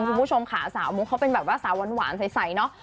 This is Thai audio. คุณผู้ชมค่ะสาวมุกเขาเป็นแบบว่าสาวหวานใสเนาะ